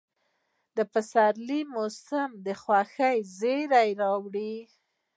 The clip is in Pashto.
د پسرلي موسم د خوښۍ زېرى راوړي.